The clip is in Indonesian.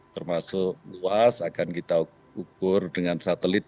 termasuk luas akan kita ukur dengan satelit